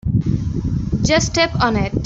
Just step on it.